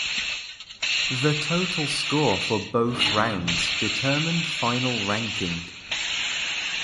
The total score for both rounds determined final ranking.